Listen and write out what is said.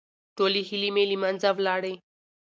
ټولې هيلې مې له منځه ولاړې.